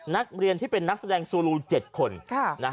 นักเรียนที่เป็นนักแสดงสูรูต้องแต่ง๗คน